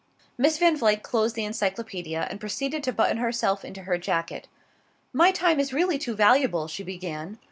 Miss Van Vluyck closed the Encyclopaedia and proceeded to button herself into her jacket "My time is really too valuable " she began.